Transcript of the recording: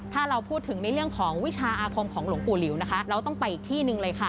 ถ้าเราพูดถึงในเรื่องของวิชาอาคมของหลวงปู่หลิวนะคะเราต้องไปอีกที่หนึ่งเลยค่ะ